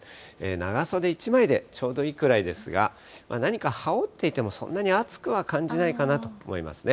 長袖１枚でちょうどいいくらいですが、何か羽織っていてもそんなに暑くは感じないかなと思いますね。